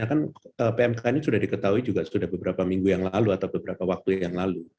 kan pmk ini sudah diketahui juga sudah beberapa minggu yang lalu atau beberapa waktu yang lalu